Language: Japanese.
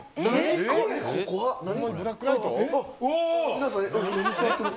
皆さん座ってる。